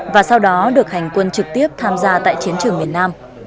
và sau đó được hành quân trực tiếp tham gia tại chiến trường miền nam